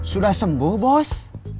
sudah sembuh bos